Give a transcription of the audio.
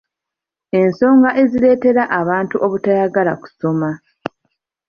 ensonga ezireetera abantu obutayagala kusoma.